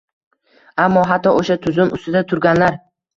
Ammo hatto o‘sha tuzum ustida turganlar